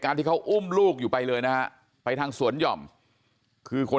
ที่เขาอุ้มลูกอยู่ไปเลยนะฮะไปทางสวนหย่อมคือคน